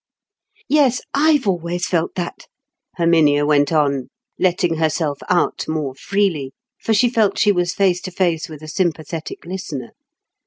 "Yes, I've always felt that," Herminia went on, letting herself out more freely, for she felt she was face to face with a sympathetic listener.